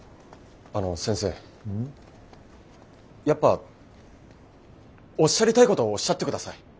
やっぱおっしゃりたいことをおっしゃってください。